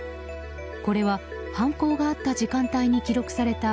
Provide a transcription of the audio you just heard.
これは犯行があった時間帯に記録された